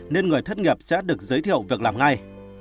nên người thất nghiệp sẽ được giới thiệu việc làm ngay